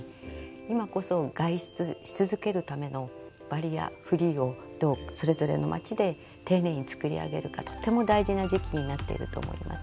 今こそ外出し続けるためのバリアフリーをどうそれぞれの町で丁寧に作り上げるかとても大事な時期になっていると思います。